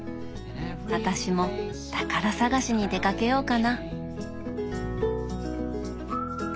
私も宝探しに出かけようかな。